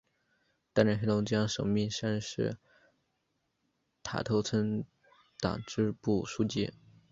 担任黑龙江省密山市塔头村党支部书记。